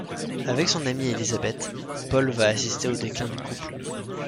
Avec son amie Elizabeth, Paul va assister au déclin du couple.